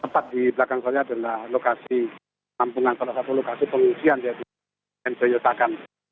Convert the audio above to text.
tempat di belakang sana adalah lokasi tampungan salah satu lokasi pengusian yang saya yutakan